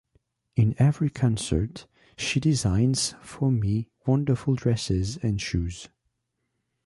In every concert, she designs for me wonderful dresses and shoes.